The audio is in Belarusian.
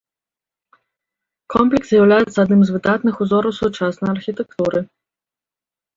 Комплекс з'яўляецца адным з выдатных узораў сучаснай архітэктуры.